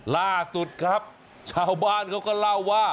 ล่าสุดครับชาวบ้านเขาก็เล่าว่า